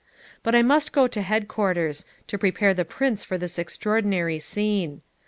But I must go to headquarters, to prepare the Prince for this extraordinary scene.